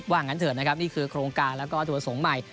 ว่าอย่างนั้นเถอะนะครับนี่คือโครงการแล้วก็ตัวสงฆ์ใหม่